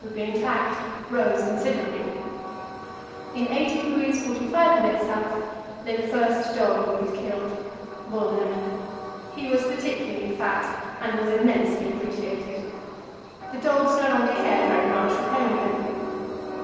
would be intact rose considerably. In 80° 45' S. lay the first dog we had killed Bone. He was particularly fat, and was immensely appreciated. The dogs no longer cared very much for pemmican.